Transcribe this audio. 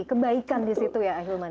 kebaikan disitu ya ahil manis